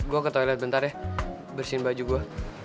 gue ke toilet bentar ya bersihin baju gue